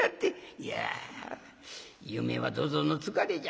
「いや夢は土蔵の疲れじゃ。